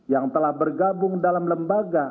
yang telah bergabung dalam lembaga